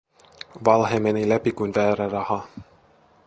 Valhe meni läpi kuin väärä raha.